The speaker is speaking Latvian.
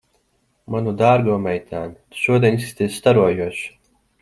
Manu dārgo meitēn, tu šodien izskaties starojoša.